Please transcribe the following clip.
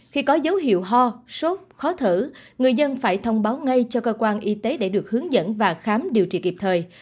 khi có dấu hiệu ho sốt khó thở người dân phải thông báo ngay cho cơ quan y tế để được hướng dẫn và khám điều trị kịp thời